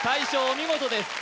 お見事です